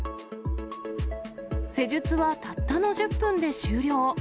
施術はたったの１０分で終了。